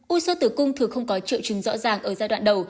u sơ tử cung thường không có triệu chứng rõ ràng ở giai đoạn đầu